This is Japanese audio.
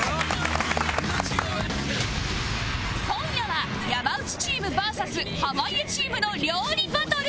今夜は山内チーム ＶＳ 濱家チームの料理バトル